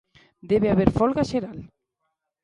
Debe haber folga xeral.